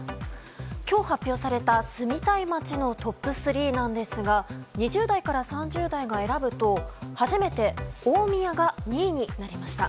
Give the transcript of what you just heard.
今日発表された住みたい街のトップ３なんですが２０代から３０代が選ぶと初めて大宮が２位になりました。